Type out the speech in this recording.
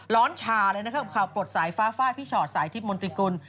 ร้อนชาเลยนะคะเขาปลดสายฟ้าพี่ชอดสายทิพย์มนตรีกุล